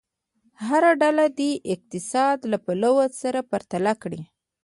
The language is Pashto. هره ډله دې اقتصاد له پلوه سره پرتله کړي.